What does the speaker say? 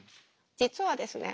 実はですね